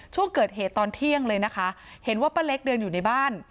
ช่วงเกิดเหตุตอนเที่ยงเลยนะคะเห็นว่าป้าเล็กเดินอยู่ในบ้าน